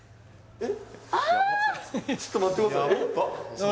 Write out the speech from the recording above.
えっ？